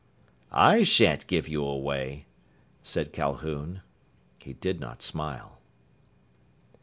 "I shan't give you away," said Calhoun. He did not smile.